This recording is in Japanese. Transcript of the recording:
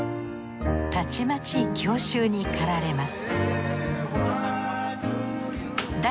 たちまち郷愁にかられます